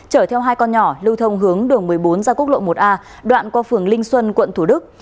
chở theo hai con nhỏ lưu thông hướng đường một mươi bốn ra quốc lộ một a đoạn qua phường linh xuân quận thủ đức